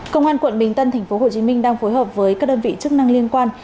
công an quận bình tân tp hcm đang phối hợp với các đơn vị chức năng liên quan